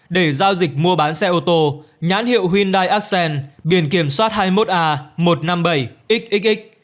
để giao dịch mua bán xe ô tô nhãn hiệu hyundai axen biển kiểm soát hai mươi một a một trăm năm mươi bảy xxx